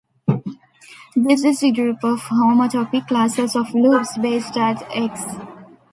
This is the group of homotopy classes of loops based at "x".